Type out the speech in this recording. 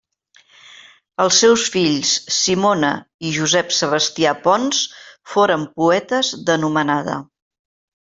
Els seus fills Simona i Josep Sebastià Pons foren poetes d'anomenada.